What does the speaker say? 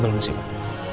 belum sih pak